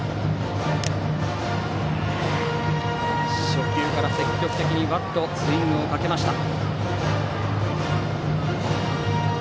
初球から積極的にバットスイングをかけました。